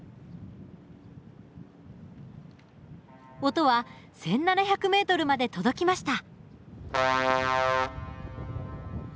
音は１，７００ｍまで届きました。